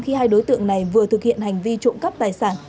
khi hai đối tượng này vừa thực hiện hành vi trộm cắp tài sản